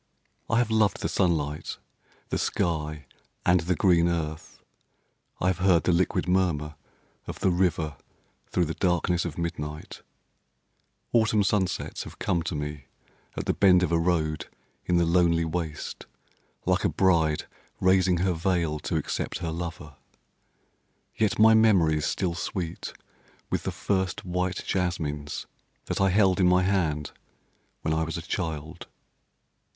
I have loved the sunlight, the sky and the green earth; I have heard the liquid murmur of the river through the darkness of midnight; Autumn sunsets have come to me at the bend of a road in the lonely waste, like a bride raising her veil to accept her lover. Yet my memory is still sweet with the first white jasmines that I held in my hand when I was a child.